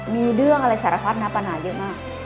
มีเรื่องอะไรสารพัดนะปัญหาเยอะมาก